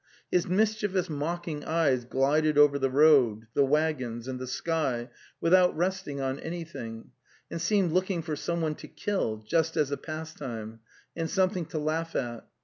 His mischievous mocking eyes glided over the road, the waggons, and the sky without resting on any thing, and seemed looking for someone to kill, just as a pastime, and something to laugh at.